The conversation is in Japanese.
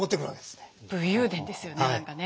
武勇伝ですよね何かね。